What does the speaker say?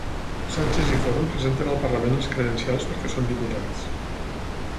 Sànchez i Forn presenten al parlament les credencials perquè són diputats.